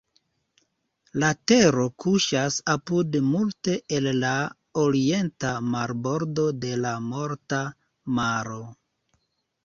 La tero kuŝas apud multe el la orienta marbordo de la Morta Maro.